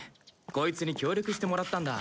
コイツに協力してもらったんだ。